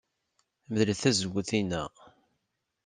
Medlet tazewwut-inna.